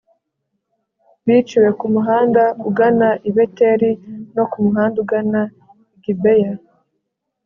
biciwe ku muhanda ugana i beteli no ku muhanda ugana i gibeya